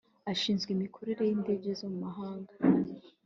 ashinzwe imikorere y'indege zo mu mahanga